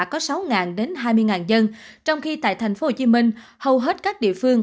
có sáu đến hai mươi dân trong khi tại tp hcm hầu hết các địa phương